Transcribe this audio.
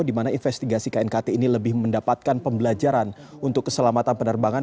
di mana investigasi knkt ini lebih mendapatkan pembelajaran untuk keselamatan penerbangan